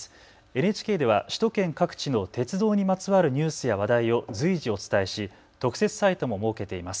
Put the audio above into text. ＮＨＫでは首都圏各地の鉄道にまつわるニュースや話題を随時、お伝えし、特設サイトも設けています。